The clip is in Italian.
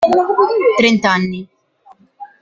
Trent'anni.